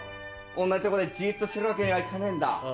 同じとこでじっとしてるわけにはいかねえんだ。